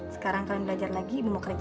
sekarang kalian belajar lagi ibu mau kerja